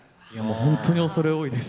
本当に恐れ多いです。